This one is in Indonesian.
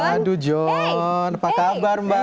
aduh john apa kabar mbak